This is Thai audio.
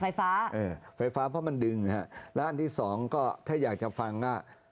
ไฟฟ้าเพราะมันดึงครับและอันที่๒ก็ถ้าอยากจะฟัง